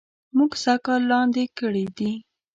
مونږ سږ کال لاندي کړي دي